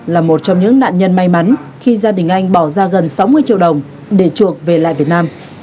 là một trong những nạn nhân may mắn khi gia đình anh bỏ ra gần sáu mươi triệu đồng để chuộc về lại việt nam